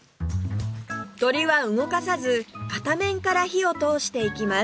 鶏は動かさず片面から火を通していきます